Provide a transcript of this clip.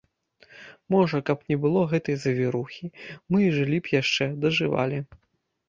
Можа, каб не было гэтай завірухі, мы і жылі б яшчэ, дажывалі.